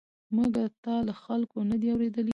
مګر تا له خلکو نه دي اورېدلي؟